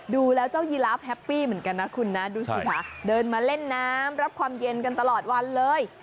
ดูแล้วเจ้ายีลาแฮปปี้เหมือนกันนะคุณนะดูสิคะเดินมาเล่นน้ำรับความเย็นกันตลอดวันเลย